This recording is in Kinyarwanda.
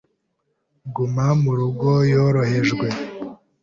Guma mu rugo yorohejwe,